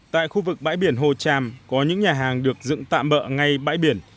tại khu vực bãi biển hồ tràm có những nhà hàng được dựng tạm bỡ ngay bãi biển